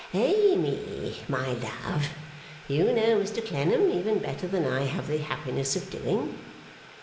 'Amy, my love, you know Mr Clennam even better than I have the happiness of doing.